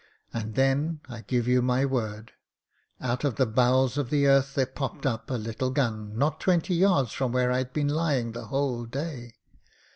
And then, I give you my word, out of the bowels of the earth there popped up a little gim not twenty yards from where I'd been lying the whole day.